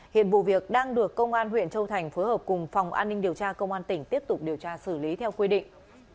hiện vụ việc đang được công an huyện châu thành phối hợp cùng phòng an ninh điều tra công an tỉnh tiếp tục điều tra xử lý theo quy định